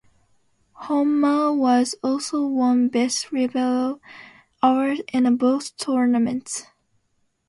Homma was also won "Best Libero" award in the both tournaments.